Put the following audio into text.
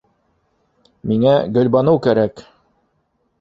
Миңә Гөлбаныу кәрәк!